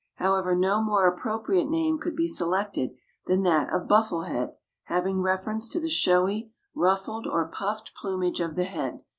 However, no more appropriate name could be selected than that of Buffle head, having reference to the showy, ruffled or puffed plumage of the head.